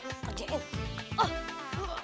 senang gua masih kembali